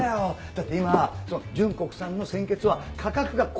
だって今純国産の鮮血は価格が高騰してるんだから。